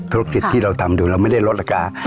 ธุรกิจที่เราทำอยู่เราไม่ได้ลดราคา